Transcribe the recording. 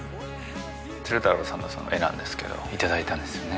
鶴太郎さんの絵なんですけど頂いたんですよね。